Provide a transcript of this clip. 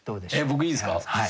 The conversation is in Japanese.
僕いいですか？